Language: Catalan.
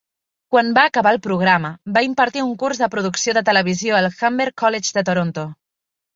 Quan va acabar el programa, va impartir un curs de producció de televisió al Humber College de Toronto.